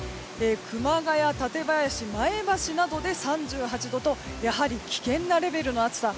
熊谷、館林、前橋などで３８度とやはり危険なレベルの暑さ。